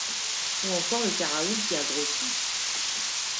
Ou encore le cas Raoul qui a grossi.